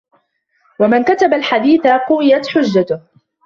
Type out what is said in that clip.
وَمَنْ كَتَبَ الْحَدِيثَ قَوِيَتْ حُجَّتُهُ